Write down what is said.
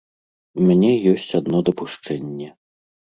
У мяне ёсць адно дапушчэнне.